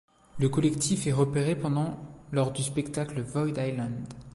Le collectif est repéré pendant lors du spectacle Void Island.